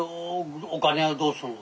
お金はどうするん？